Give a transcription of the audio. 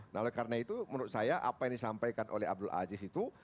nah oleh karena itu menurut saya apa yang disampaikan oleh abdul aziz itu